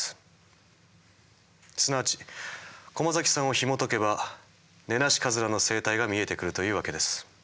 すなわち駒崎さんをひもとけばネナシカズラの生態が見えてくるというわけです。